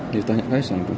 ditanya kaesang tuh